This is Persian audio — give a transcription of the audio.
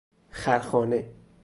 خرخانه